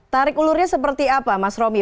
tarik ulurnya seperti apa mas romi